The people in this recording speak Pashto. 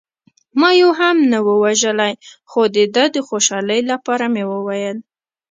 ما یو هم نه و وژلی، خو د ده د خوشحالۍ لپاره مې وویل.